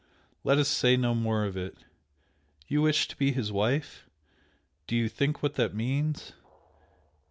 Let us say no more of it! You wish to be his wife? Do you think what that means?